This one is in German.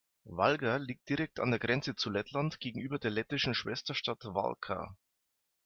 Valga liegt direkt an der Grenze zu Lettland gegenüber der lettischen Schwesterstadt Valka.